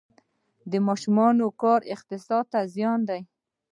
د ماشومانو کار اقتصاد ته زیان دی؟